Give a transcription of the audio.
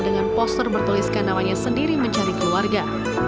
dengan poster bertuliskan namanya sendiri mencari keluarga